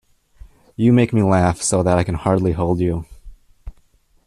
You make me laugh so that I can hardly hold you!